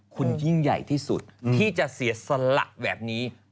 คุณยิ่งใหญ่ที่สุดที่จะเสียสละแบบนี้